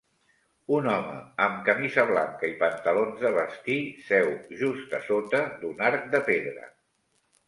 Un home amb camisa blanca i pantalons de vestir seu just a sota d'un arc de pedra.